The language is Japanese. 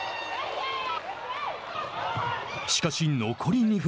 しかし、残り２分。